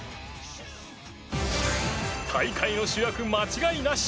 大会の主役間違いなし！